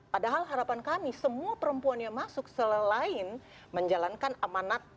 padahal harapan kami semua perempuan yang masuk selain menjalankan amanat